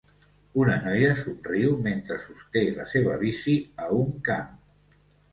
Una noia somriu mentre sosté la seva bici a un camp.